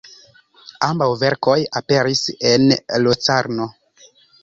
Ambaŭ verkoj aperis en Locarno.